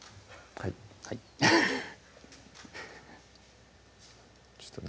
はいフフフちょっとね